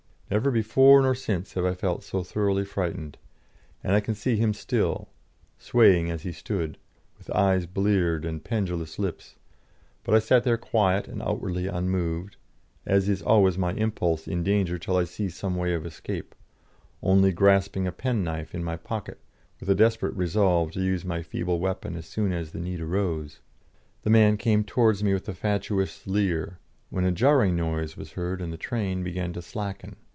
Never before nor since have I felt so thoroughly frightened. I can see him still, swaying as he stood, with eyes bleared and pendulous lips but I sat there quiet and outwardly unmoved, as is always my impulse in danger till I see some way of escape, only grasping a penknife in my pocket, with a desperate resolve to use my feeble weapon as soon as the need arose. The man came towards me with a fatuous leer, when a jarring noise was heard and the train began to slacken.